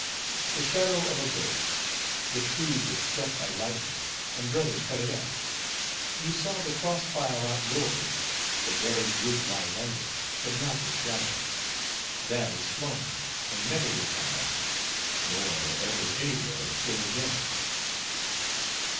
The shadow of a birch. The tree was struck by lightning, and brother cut it up. You saw the cross pile out doors—the buried root lies under it; but not the shadow. That is flown, and never will come back, nor ever anywhere stir again."